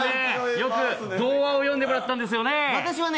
よく童話を読んでもらったんですよね。